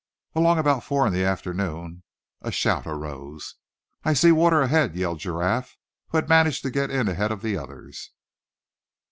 Along about four in the afternoon a shout arose. "I see water ahead!" yelled Giraffe, who had managed to get in ahead of the others.